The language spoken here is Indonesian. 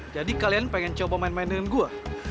jadi kalian pengen coba main main dengan gue